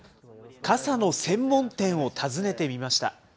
傘の専門店を訪ねてみました。